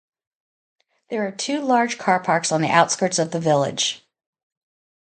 There are two large car parks on the outskirts of the village.